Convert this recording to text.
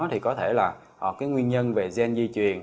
thì có thể là cái nguyên nhân về gen di truyền